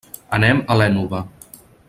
Anem a l'Ènova.